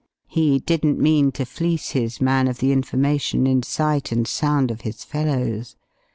He didn't mean to fleece his man of the information in sight and sound of his fellows.